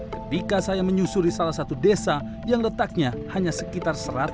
ketika saya menyusuri salah satu desa yang letaknya hanya sekitar seratus km dari megapolita